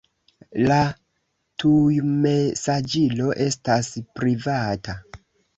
La tujmesaĝilo estas privata.